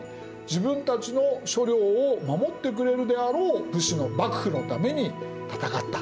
自分たちの所領を守ってくれるであろう幕府のために戦った。